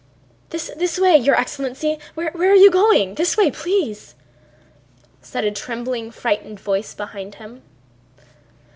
"This way, your excellency... Where are you going?... This way, please..." said a trembling, frightened voice behind him.